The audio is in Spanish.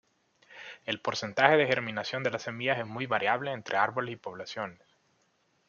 El porcentaje de germinación de las semillas es muy variable entre árboles y poblaciones.